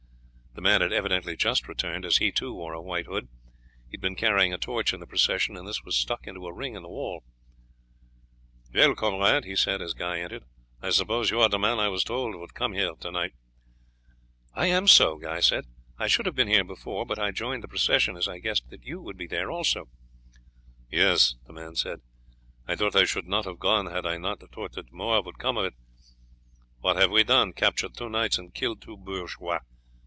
The man had evidently just returned, as he too wore a white hood. He had been carrying a torch in the procession, and this was stuck into a ring on the wall. [Illustration: "WELL, COMRADE," SAID SIMON, "I SUPPOSE YOU ARE THE MAN I WAS TOLD WOULD COME TO NIGHT?"] "Well, comrade," he said as Guy entered, "I suppose you are the man I was told would come here to night." "I am so," Guy said. "I should have been here before, but I joined the procession, as I guessed that you would be there also." "Yes," the man said; "though I should not have gone had I not thought that more would come of it. What have we done? Captured two knights and killed two bourgeois!